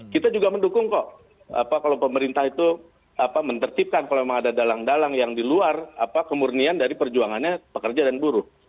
kita juga mendukung kok kalau pemerintah itu menertibkan kalau memang ada dalang dalang yang di luar kemurnian dari perjuangannya pekerja dan buruh